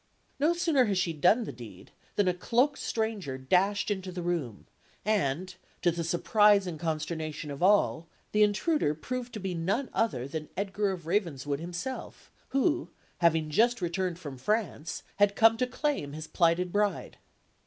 No sooner had she done the deed, than a cloaked stranger dashed into the room; and, to the surprise and consternation of all, the intruder proved to be none other than Edgar of Ravenswood himself, who, having just returned from France, had come to claim his plighted bride.